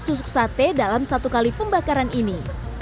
dua ratus tusuk sate dalam satu kali pembakaran ini